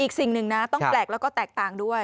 อีกสิ่งหนึ่งนะต้องแปลกแล้วก็แตกต่างด้วย